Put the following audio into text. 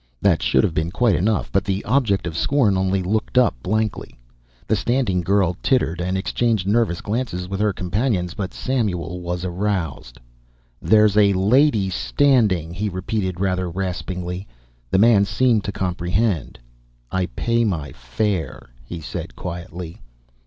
That should have been quite enough, but the object of scorn only looked up blankly. The standing girl tittered and exchanged nervous glances with her companions. But Samuel was aroused. "There's a lady standing," he repeated, rather raspingly. The man seemed to comprehend. "I pay my fare," he said quietly.